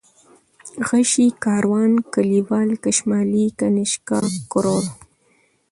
غشى ، کاروان ، کليوال ، کشمالی ، كنيشكا ، کروړ